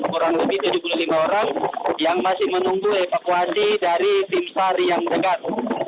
kurang lebih tujuh puluh lima orang yang masih menunggu evakuasi dari tim sar yang dekat